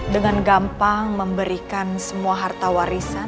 dengan gampang memberikan semua harta warisan